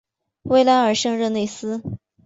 维莱尔圣热内斯。